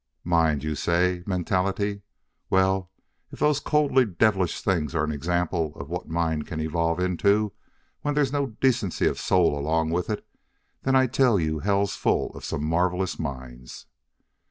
'Mind', you say; 'mentality!' Well, if those coldly devilish things are an example of what mind can evolve into when there's no decency of soul along with it, then I tell you hell's full of some marvelous minds!"